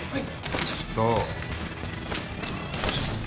はい。